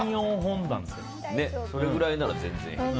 それぐらいな全然。